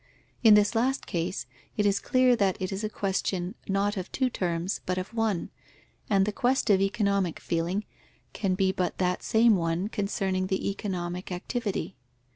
In this last case, it is clear that it is a question, not of two terms, but of one, and the quest of economic feeling can be but that same one concerning the economic activity.